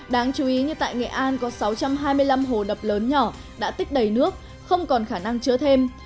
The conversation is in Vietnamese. đáng chú ý như tại nghệ an có sáu trăm hai mươi năm hồ đập lớn nhỏ đã tích đầy nước không còn khả năng chứa thêm